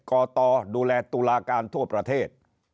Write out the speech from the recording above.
กตดูแลตุลาการทั่วประเทศ